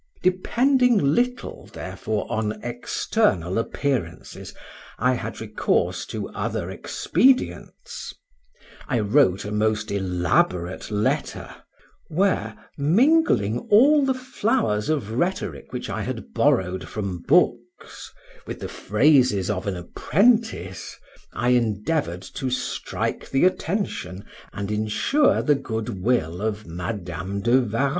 Depending little, therefore, on external appearances, I had recourse to other expedients: I wrote a most elaborate letter, where, mingling all the flowers of rhetoric which I had borrowed from books with the phrases of an apprentice, I endeavored to strike the attention, and insure the good will of Madam de Warrens.